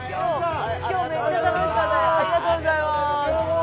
今日めっちゃ楽しかったね！